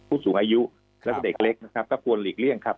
ผู้สูงอายุแล้วก็เด็กเล็กนะครับก็ควรหลีกเลี่ยงครับ